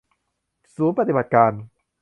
ศูนย์ปฎิบัติการ